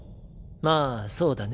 まあそうだね。